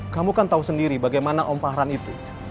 kamu kan tahu sendiri bagaimana om fahran itu